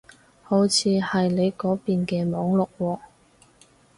好似係你嗰邊嘅網絡喎